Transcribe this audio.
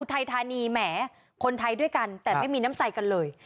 ไทยธานีแหมคนไทยด้วยกันแต่ไม่มีน้ำใจกันเลย